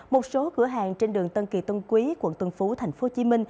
một số cửa hàng trên đường tân kỳ tên quý q tuần phú ph hcm